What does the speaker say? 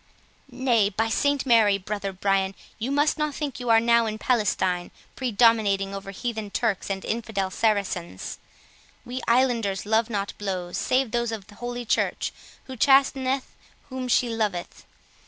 "Nay, by St Mary, brother Brian, you must not think you are now in Palestine, predominating over heathen Turks and infidel Saracens; we islanders love not blows, save those of holy Church, who chasteneth whom she loveth.